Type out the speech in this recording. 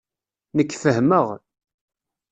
Nekk fehmeɣ.